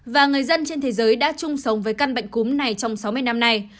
và người dân trên thế giới đã chung sống với căn bệnh cúm này trong sáu mươi năm nay